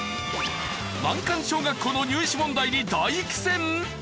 難関小学校の入試問題に大苦戦！？